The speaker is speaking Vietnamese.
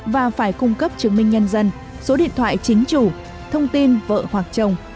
và phải cung cấp chứng minh nhân dân số điện thoại chính chủ thông tin vợ hoặc chồng